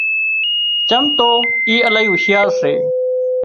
چم تو اِي الاهي هُوشيار سي